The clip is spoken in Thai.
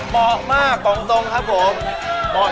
บอกมากตรงครับผม